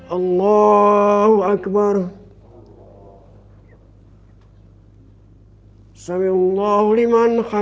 alhamdulillah sehat kan